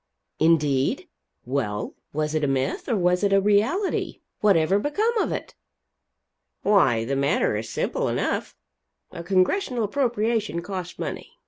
"Indeed? Well, was it a myth, or was it a reality? Whatever become of it?" "Why the matter is simple enough. A Congressional appropriation costs money.